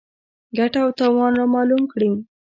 ګټه او تاوان رامعلوم کړي.